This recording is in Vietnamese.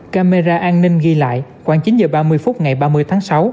camera an ninh ghi lại khoảng chín h ba mươi phút ngày ba mươi tháng sáu